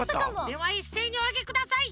ではいっせいにおあげください！